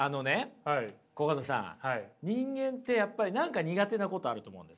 人間ってやっぱり何か苦手なことあると思うんです。